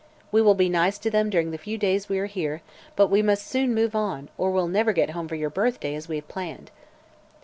We will be nice to them during the few days we are here, but we must soon move on or we'll never get home for your birthday, as we have planned."